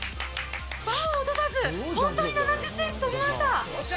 バーを落とさず、本当に７０センチ跳びました。